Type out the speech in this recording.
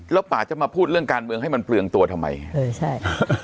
แล้วป่าจะมาพูดเรื่องการเมืองให้มันเปลืองตัวทำไมเออใช่